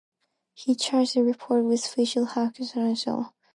He charged the report with "factual hallucinations".